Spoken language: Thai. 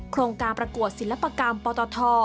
โครงการประกวดศิลปกรรมปตท